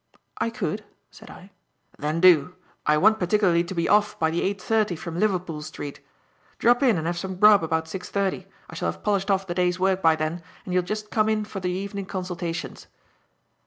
"I could," said I. "Then do. I want particularly to be off by the eight thirty from Liverpool Street. Drop in and have some grub about six thirty; I shall have polished off the day's work by then and you'll just come in for the evening consultations."